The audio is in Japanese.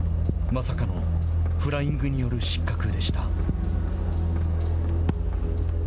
まさかのフライングによる失格でした。